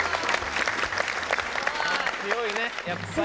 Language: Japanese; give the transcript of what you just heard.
強いねやっぱり。